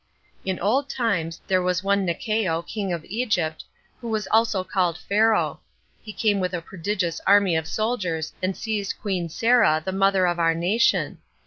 In old times there was one Necao, king of Egypt, who was also called Pharaoh; he came with a prodigious army of soldiers, and seized queen Sarah, the mother of our nation.